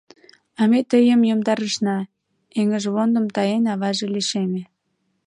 — А ме тыйым йомдарышна, — эҥыжвондым таен, аваже лишеме.